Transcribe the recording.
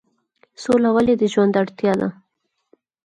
سوله ولې د ژوند اړتیا ده؟